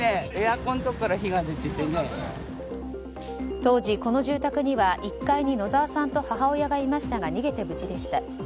当時、この住宅には１階に野澤さんと母親がいましたが逃げて無事でした。